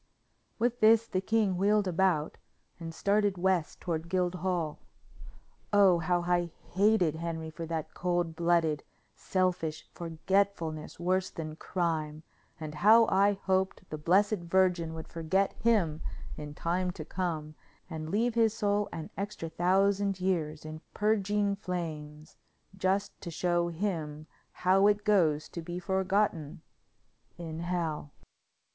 With this the king wheeled about and started west toward Guildhall. Oh, how I hated Henry for that cold blooded, selfish forgetfulness worse than crime; and how I hoped the Blessed Virgin would forget him in time to come, and leave his soul an extra thousand years in purging flames, just to show him how it goes to be forgotten in hell.